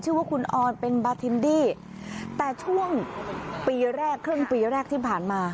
ชื่อว่าคุณออนเป็นบาทินดี้แต่ช่วงปีแรกครึ่งปีแรกที่ผ่านมา